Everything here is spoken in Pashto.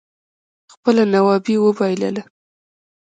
خپله نوابي اوبائلله